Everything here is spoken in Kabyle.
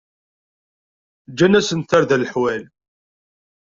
Ǧǧan-asen-d tarda n leḥwal.